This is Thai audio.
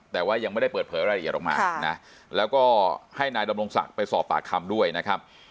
แต่ว่ายังไม่ได้เปิดเผยรายละเอียดออกมานะแล้วก็ให้นายดำรงศักดิ์ไปสอบปากคำด้วยนะครับ